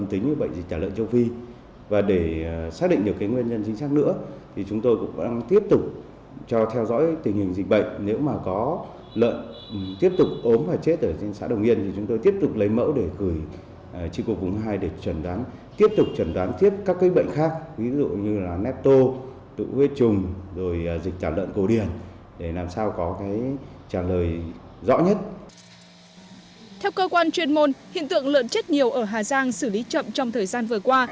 theo cơ quan chuyên môn hiện tượng lợn chết nhiều ở hà giang xử lý chậm trong thời gian vừa qua